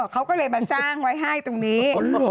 เขาก็เลยมาสร้างไว้ให้ตรงนี้